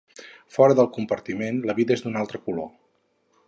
Fora del compartiment la vida és d'un altre color.